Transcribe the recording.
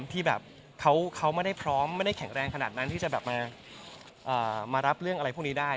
ที่แบบเขาไม่ได้พร้อมไม่ได้แข็งแรงขนาดนั้นที่จะแบบมารับเรื่องอะไรพวกนี้ได้